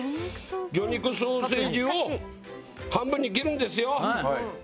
魚肉ソーセージを半分に切るんですよ。